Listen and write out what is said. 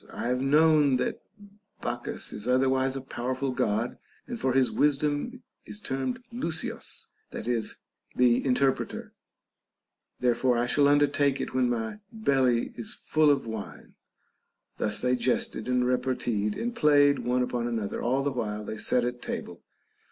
I have known that Bacchus is otherwise a powerful God, and for his wisdom is termed λύσιος, that is, the interpreter J therefore I shall undertake it when my belly is full of wine. Thus they jested and reparteed and played one upon an other all the while they sat at table.